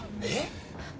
えっ？